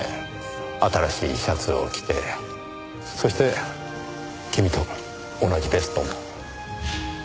新しいシャツを着てそして君と同じベストも。